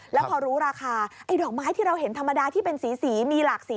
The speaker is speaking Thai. แล้วพอรู้ราคาไอ้ดอกไม้ที่เราเห็นธรรมดาที่เป็นสีมีหลากสี